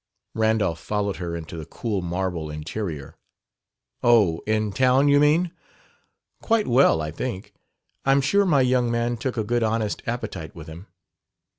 Randolph followed her into the cool marble interior. "Oh, in town, you mean? Quite well, I think. I'm sure my young man took a good honest appetite with him!"